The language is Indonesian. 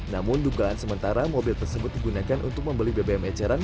namun dugaan sementara mobil tersebut digunakan untuk membeli bbm eceran